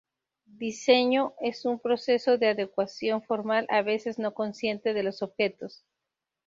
Diseño es un proceso de adecuación formal, a veces no consciente, de los objetos.